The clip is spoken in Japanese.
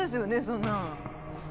そんなの。